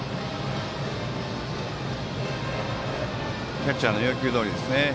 キャッチャーの要求どおりですね。